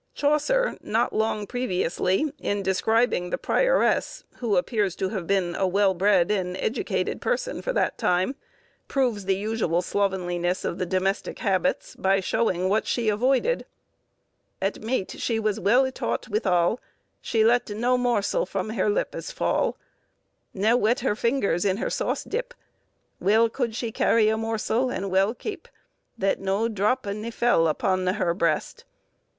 Chaucer, not long previously, in describing the prioresse, who appears to have been a well bred and educated person for the time, proves the usual slovenliness of the domestic habits, by showing what she avoided— "At mete was she wel ytaughte withalle; She lette no morsel from hire lippes falle, Ne wette hire fingres in hire sauce depe. Wel coude she carie a morsel, and wel kepe, Thatte no drope ne felle upon hire brest.